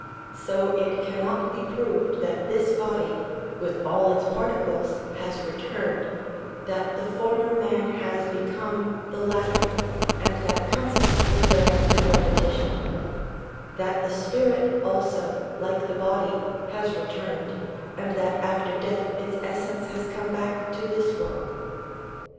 So it cannot be proved that this body with all its particles has returned, that the former man has become the latter, and that consequently there has been repetition ; that the spirit also, like the body, has returned, and that after death its essence has come back to this world.